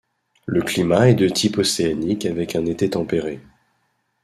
Le climat est de type océanique avec un été tempéré.